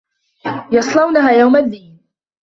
يَصلَونَها يَومَ الدّينِ